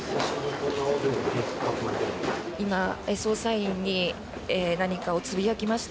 今、捜査員に何かをつぶやきました。